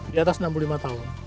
di atas enam puluh lima tahun